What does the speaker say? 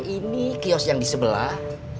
ini kios yang di sebelah